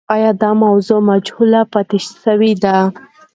آیا دا موضوع مجهوله پاتې سوې ده؟